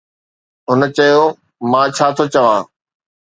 هن چيو: مان ڇا ٿو چوان؟